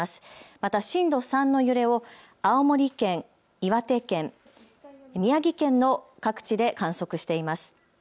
また震度３の揺れを青森県、岩手県、宮城県の各地で観測しています。